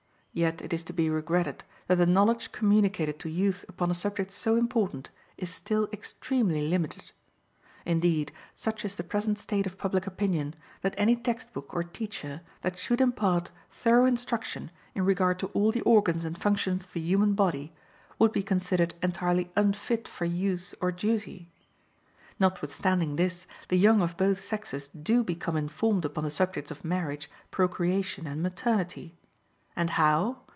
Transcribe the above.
Yet it is to be regretted that the knowledge communicated to youth upon a subject so important is still extremely limited. Indeed, such is the present state of public opinion, that any text book or teacher that should impart thorough instruction in regard to all the organs and functions of the human body, would be considered entirely unfit for use or duty. Notwithstanding this, the young of both sexes do become informed upon the subjects of marriage, procreation, and maternity. And how?